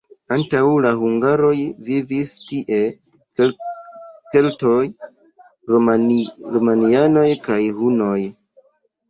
Antaŭ la hungaroj vivis tie keltoj, romianoj kaj hunoj.